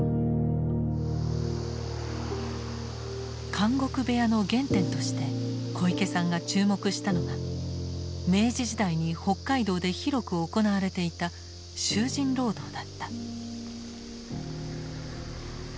「監獄部屋」の原点として小池さんが注目したのが明治時代に北海道で広く行われていた「囚人労働」だった。